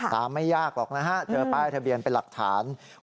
ไม่ยากหรอกนะฮะเจอป้ายทะเบียนเป็นหลักฐาน